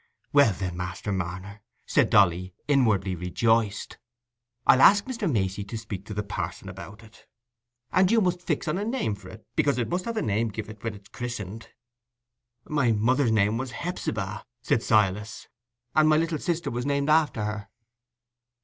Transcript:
"Well, then, Master Marner," said Dolly, inwardly rejoiced, "I'll ask Mr. Macey to speak to the parson about it; and you must fix on a name for it, because it must have a name giv' it when it's christened." "My mother's name was Hephzibah," said Silas, "and my little sister was named after her."